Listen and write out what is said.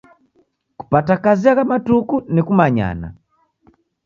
Kupata kazi agha matuku ni kumanyana.